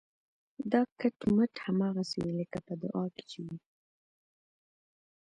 دا کټ مټ هماغسې وي لکه په دعا کې چې وي.